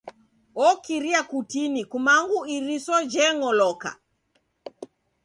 Okiria kutini kumangu iriso jeongoloka.